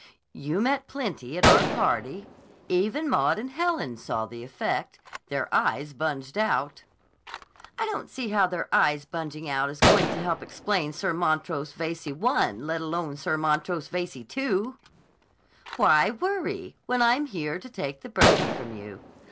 "You met plenty at our party. Even Maud and Helen saw the effect. Their eyes bunged out!" "I don't see how their eyes bunging out is going to help explain Sir Montrose Veyze I, let alone Sir Montrose Veyze II." "Why worry, when I'm here to take the burden from you?